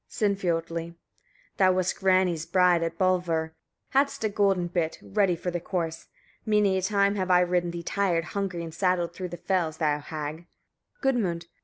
Sinfiotli. 41. Thou wast Grani's bride at Bravollr, hadst a golden bit, ready for the course. Many a time have I ridden thee tired, hungry and saddled, through the fells, thou hag! Gudmund.